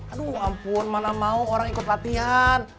aduh ampun mana mau orang ikut latihan